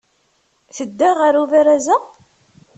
Tedda ɣer ubaraz-a?